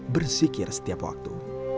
bersikir setiap waktu